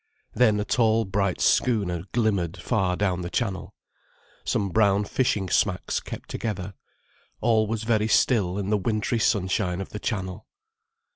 Then a tall bright schooner glimmered far down the channel. Some brown fishing smacks kept together. All was very still in the wintry sunshine of the Channel.